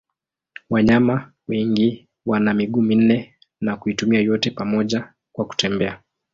Wanyama wengi wana miguu minne na kuitumia yote pamoja kwa kutembea.